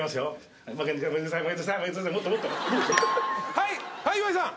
はい岩井さん。